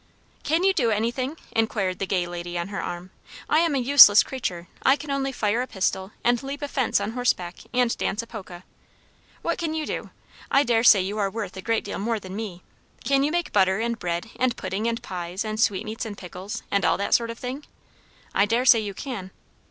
"Can you do anything?" inquired the gay lady on her arm. "I am a useless creature; I can only fire a pistol, and leap a fence on horseback, and dance a polka. What can you do? I dare say you are worth a great deal more than me. Can you make butter and bread and pudding and pies and sweetmeats and pickles, and all that sort of thing? I dare say you can."